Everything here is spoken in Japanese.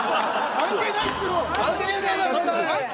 関係ないっすよ・